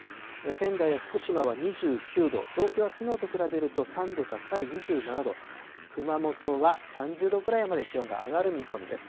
仙台や福島は２９度、東京はきのうと比べると３度高い２７度、熊本は３０度ぐらいまで気温が上がる見込みです。